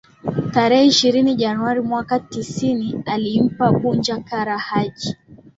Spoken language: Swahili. Tarehe ishirini Januari mwaka sitini alimlipa Punja Kara Haji